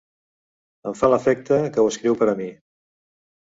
Em fa l'efecte que ho escriu per a mi.